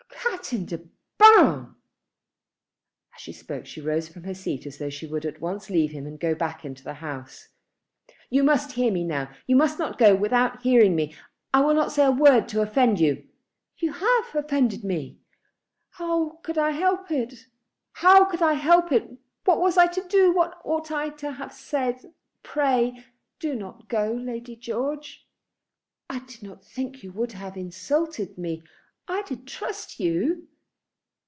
"Captain De Baron!" As she spoke she rose from her seat as though she would at once leave him and go back into the house. "You must hear me now. You must not go without hearing me. I will not say a word to offend you." "You have offended me." "How could I help it? What was I to do? What ought I to have said? Pray do not go, Lady George." "I did not think you would have insulted me. I did trust you."